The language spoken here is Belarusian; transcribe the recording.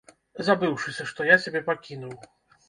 Забыўшыся, што я цябе пакінуў.